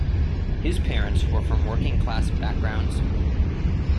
His parents were from working class backgrounds.